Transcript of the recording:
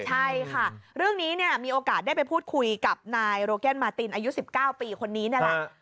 ใช่ค่ะเรื่องนี้เนี่ยมีโอกาสได้ไปพูดคุยกับนายโรแกนมาตินอายุ๑๙ปีคนนี้นี่แหละ